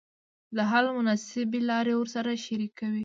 د حل مناسبي لاري ورسره شریکي سوې.